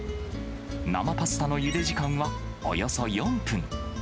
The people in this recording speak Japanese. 生パスタのゆで時間はおよそ４分。